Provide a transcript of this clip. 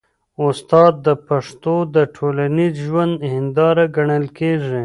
استاد د پښتنو د ټولنیز ژوند هنداره ګڼل کېږي.